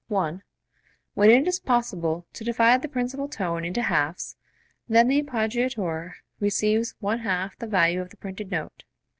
(1) When it is possible to divide the principal tone into halves, then the appoggiatura receives one half the value of the printed note.